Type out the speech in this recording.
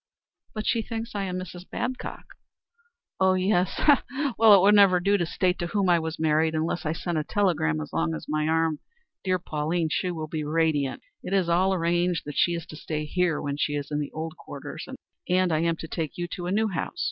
"But she thinks I am Mrs. Babcock." "Oh yes. Ha! ha! It would never do to state to whom I was married, unless I sent a telegram as long as my arm. Dear Pauline! She will be radiant. It is all arranged that she is to stay where she is in the old quarters, and I am to take you to a new house.